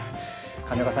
金岡さん